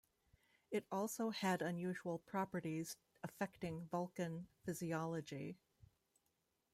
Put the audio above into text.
It also had unusual properties affecting Vulcan physiology.